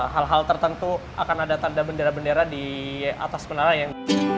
hal hal tertentu akan ada tanda bendera bendera di atas penera yang